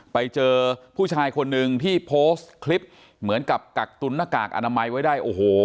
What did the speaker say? ไปเจอผู้ชายคนหนึ่งที่โพสต์คลิปเหมือนกับกักตุนหน้ากากอนามัยไว้ได้โอ้โห